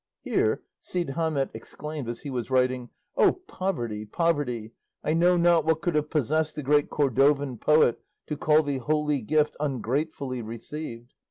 Here Cide Hamete exclaimed as he was writing, "O poverty, poverty! I know not what could have possessed the great Cordovan poet to call thee 'holy gift ungratefully received.